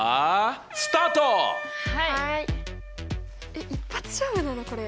えっ一発勝負なのこれ？